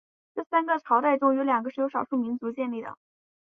这三个朝代中有两个是由少数民族建立的。